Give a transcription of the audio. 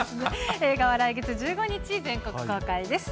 映画は来月１５日、全国公開です。